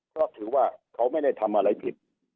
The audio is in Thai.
เพราะถือว่าเขาไม่ได้ทำอะไรผิด